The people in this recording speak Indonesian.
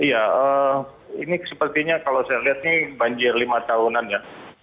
iya ini sepertinya kalau saya lihat ini banjir lima tahunan ya